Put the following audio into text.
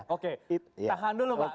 oke tahan dulu pak